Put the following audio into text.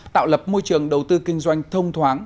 tạo lập môi trường đầu tư kinh doanh thông thoáng